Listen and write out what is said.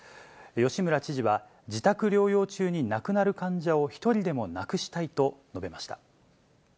吉村知事は、自宅療養中に亡くなる患者を一人でもなくしたいと述べました。